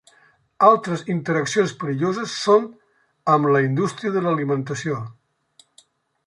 Altres interaccions perilloses són amb la indústria de l'alimentació.